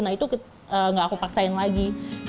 nah itu nggak aku paksain lagi